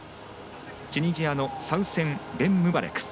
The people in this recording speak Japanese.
チュニジアのサウセン・ベンムバレク。